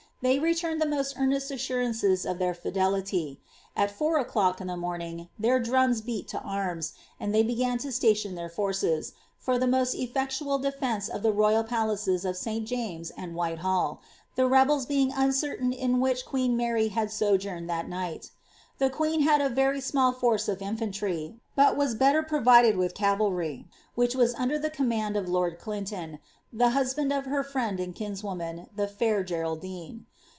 They returned the most earnest assurances of their fidelity. At four o^clock in the morning, their drums beat to arms, and they began to station their forces, for the most efR*ctual defence of the royal palaces of St. James and Whitehall, the rebels being uncertain in which queen Mary had sojourned that night The queen had a ver)* small force of iafaniry,' but was better provided with cavalry, which was under the command of lord Clinton, the husband of her friend and kinswoman, the (mt Geraldine.